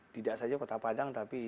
tidak saja kota padang tapi